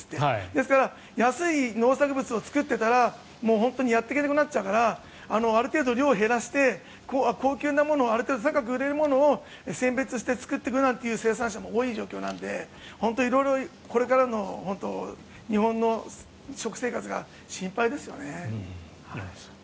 ですから安い農作物を作っていたら本当にやっていけなくなっちゃうからある程度、量を減らして高級なものをある程度、高く売れるものを選別して作っていくという生産者も多い状況なので本当にこれからの日本の食生活が心配ですよね。